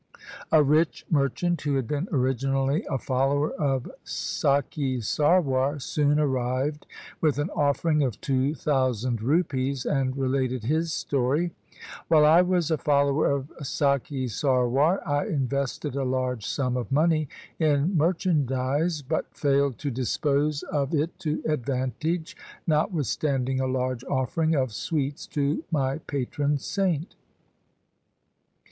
A rich merchant, who had been originally a follower of Sakhi Sarwar, soon arrived with an offering of two thousand rupees, and related his story :' While I was a follower of Sakhi Sarwar, I invested a large sum of money in merchandise, but failed to dispose of it to advantage, notwithstanding a large offering of sweets to my patron saint.